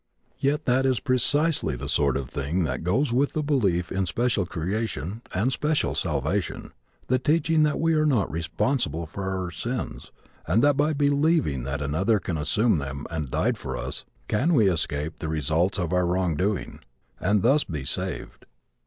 Yet that is precisely the sort of thing that goes with the belief in special creation and special salvation the teaching that we are not responsible for our sins and that by believing that another assumed them and died for us we can escape the results of our wrong doing and thus be saved.